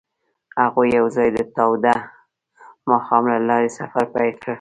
هغوی یوځای د تاوده ماښام له لارې سفر پیل کړ.